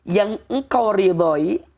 yang engkau ridhoi